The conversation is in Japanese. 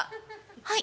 「はい。